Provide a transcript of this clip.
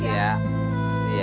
terima kasih ya